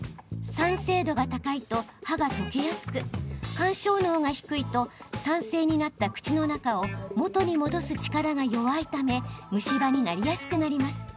酸性度が高いと歯が溶けやすく緩衝能が低いと、酸性になった口の中を元に戻す力が弱いため虫歯になりやすくなります。